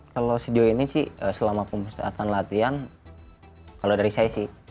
kalau sejauh ini sih selama pemusatan latihan kalau dari saya sih